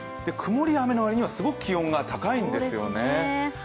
くもりや雨の割にはすごく気温が高いんですよね。